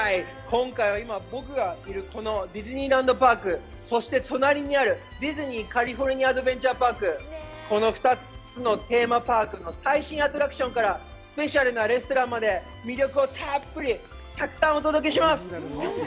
今回は、今、僕がいるこのディズニーランド・パーク、そして隣にあるディズニー・カリフォルニア・アドベンチャー・パーク、この２つのテーマパークの最新アトラクションからスペシャルなレストランまで魅力をたっぷりたくさんお届けします！